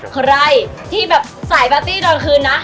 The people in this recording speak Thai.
ใครที่แบบสายปาร์ตี้ตอนคืนนะ